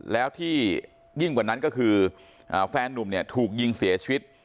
แล้วที่ยิ่งกว่านั้นก็คือแฟนนุ่มเนี่ยถูกยิงเสียชีวิต